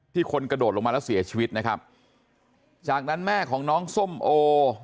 คนกระโดดลงมาแล้วเสียชีวิตนะครับจากนั้นแม่ของน้องส้มโอ